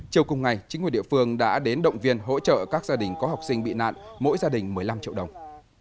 chiều cùng ngày chính quyền địa phương đã đến động viên hỗ trợ các gia đình có học sinh bị nạn mỗi gia đình một mươi năm triệu đồng